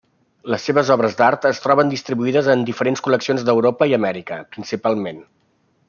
Les seves obres d'art es troben distribuïdes en diferents col·leccions d'Europa i Amèrica, principalment.